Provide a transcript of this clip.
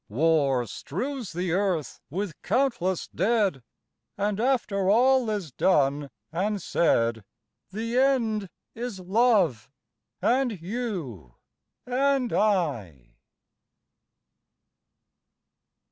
War strews the earth with countless dead, And after all is done and said, The end is love, and you and I!